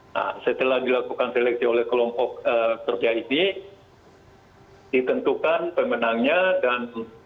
nah setelah dilakukan seleksi oleh kelompok kerja ini ditentukan pemenangnya dan